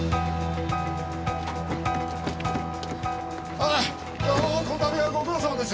ああどうもこの度はご苦労さまです。